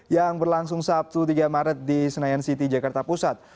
yang berlangsung sabtu tiga maret di senayan city jakarta pusat